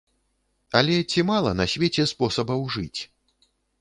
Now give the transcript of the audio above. Але ці мала на свеце спосабаў жыць?